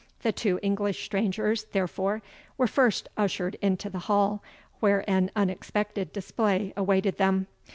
The two English strangers, therefore, were first ushered into the hall, where an unexpected display awaited them.